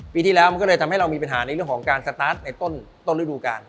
ปีที่แล้วมันก็เลยทำให้เรามีปัญหาในเรื่องของการสตาร์ทในต้นฤดูกาล